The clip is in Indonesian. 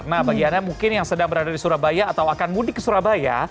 nah bagi anda mungkin yang sedang berada di surabaya atau akan mudik ke surabaya